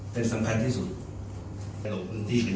ปลูกประชาธิบัญญาการผู้สมัครของพระคุมเจย์ไทย